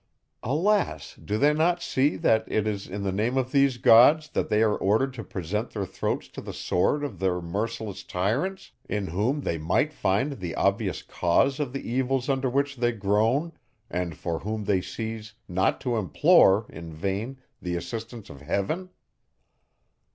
Alas! do they not see, that it is, in the name of these gods, that they are ordered to present their throats to the sword of their merciless tyrants, in whom they might find the obvious cause of the evils under which they groan, and for whom they cease not to implore, in vain, the assistance of heaven?